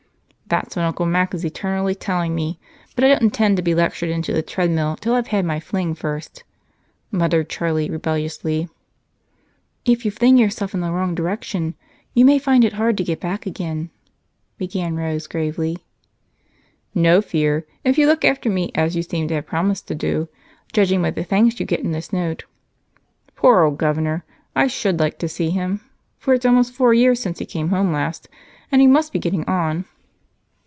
"That's what Uncle Mac is eternally telling me, but I don't intend to be lectured into the treadmill till I've had my fling first," muttered Charlie rebelliously. "If you fling yourself in the wrong direction, you may find it hard to get back again," began Rose gravely. "No fear, if you look after me as you seem to have promised to do, judging by the thanks you get in this note. Poor old governor! I should like to see him, for it's almost four years since he came home last and he must be getting on."